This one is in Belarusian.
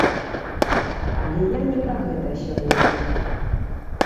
Але я не пра гэта сёння.